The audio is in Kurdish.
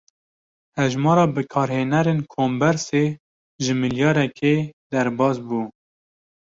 Hejmara bikarhênerên kombersê, ji milyareke derbas bû